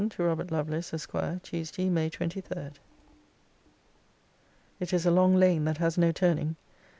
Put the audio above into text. TO ROBERT LOVELACE, ESQ. TUESDAY, MAY 23. It is a long lane that has no turning.